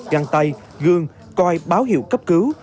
răng tay gương coi báo hiệu cấp cứu